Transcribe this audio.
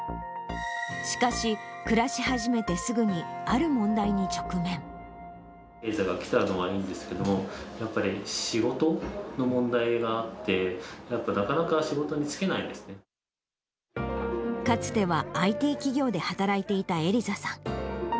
しかし、暮らし始めてすぐにエリザが来たのはいいんですけど、やっぱり仕事の問題があって、やっぱり、かつてはＩＴ企業で働いていたエリザさん。